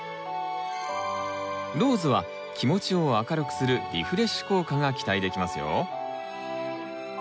ローズは気持ちを明るくするリフレッシュ効果が期待できますよ。